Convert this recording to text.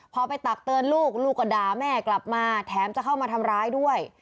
พอไปตักเตือนลูกลูกก็ด่าแม่กลับมาแถมจะเข้ามาทำร้ายด้วย